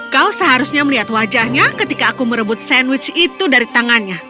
kau seharusnya melihat wajahnya ketika aku merebut sandwich itu dari tangannya